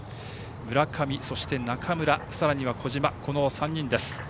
村上、中村さらには小島の３人です。